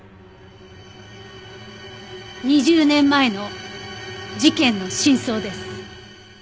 ２０年前の事件の真相です。